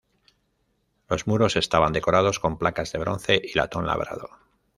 Los muros estaban decorados con placas de bronce y latón labrado.